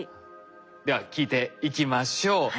では聞いていきましょう。